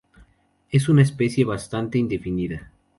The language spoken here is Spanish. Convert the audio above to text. Es una especie bastante indefinida.